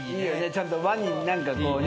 ちゃんと和に何かこうね。